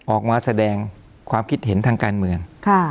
ออกมาแสดงความคิดเห็นทางการเมือง